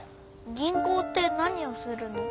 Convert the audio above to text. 銀行って何をするの？